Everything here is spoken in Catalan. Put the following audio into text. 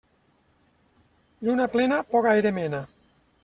Lluna plena poc aire mena.